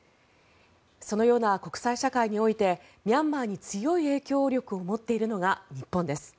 そのような国際社会においてミャンマーに強い影響力を持っているのが日本です。